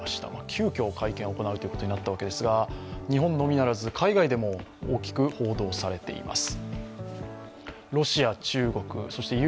急きょ会見を行うとなったわけですが日本のみならず、海外でも大きく報道されています。